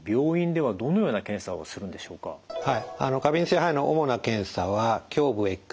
はい。